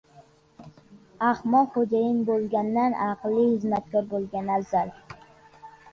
• Ahmoq xo‘jayin bo‘lgandan aqlli xizmatkor bo‘lgan afzal.